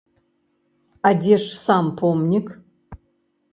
А дзе ж сам помнік?